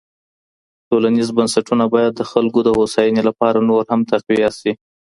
ټولنيز بنسټونه بايد د خلګو د هوساينې لپاره نور هم تقويه سي.